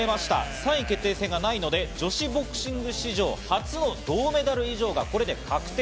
３位決定戦がないので女子ボクシング史上初の銅メダル以上がこれで確定。